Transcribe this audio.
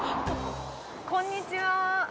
こんにちは。